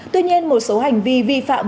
tuy nhiên một số hành vi vi phạm